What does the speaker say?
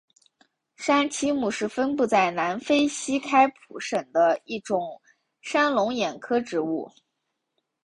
山栖木是分布在南非西开普省的一种山龙眼科植物。